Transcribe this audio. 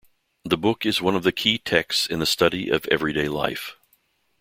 The book is one of the key texts in the study of everyday life.